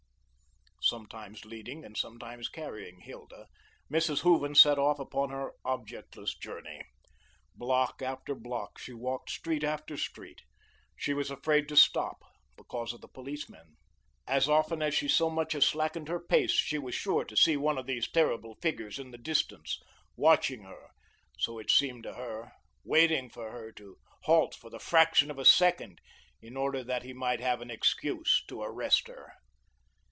Sometimes leading and sometimes carrying Hilda, Mrs. Hooven set off upon her objectless journey. Block after block she walked, street after street. She was afraid to stop, because of the policemen. As often as she so much as slackened her pace, she was sure to see one of these terrible figures in the distance, watching her, so it seemed to her, waiting for her to halt for the fraction of a second, in order that he might have an excuse to arrest her.